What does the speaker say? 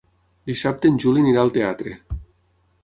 Dissabte en Juli anirà al teatre.